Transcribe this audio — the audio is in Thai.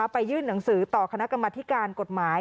ไปยื่นหนังสือต่อคณะกรรมธิการกฎหมาย